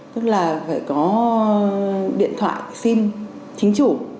tức là phải có điện thoại sim chính chủ